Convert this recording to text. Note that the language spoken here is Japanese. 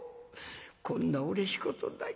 こんなうれしいことない。